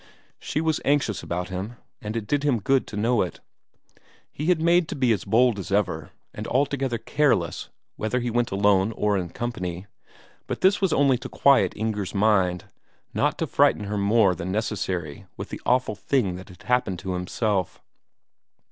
She was anxious about him and it did him good to know it. He made out to be as bold as ever, and altogether careless whether he went alone or in company; but this was only to quiet Inger's mind, not to frighten her more than necessary with the awful thing that had happened to himself.